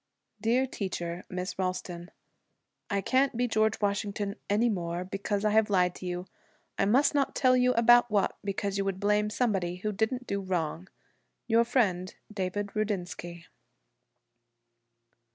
'DEAR TEACHER MISS RALSTON, 'I can't be George Washington any more because I have lied to you. I must not tell you about what, because you would blame somebody who didn't do wrong. 'Your friend, 'DAVID RUDINSKY.'